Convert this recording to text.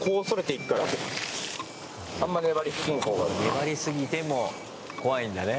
粘りすぎても、怖いんだね。